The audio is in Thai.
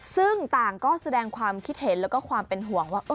ซึ่งต่างก็แสดงความคิดเห็นและความหวังว่า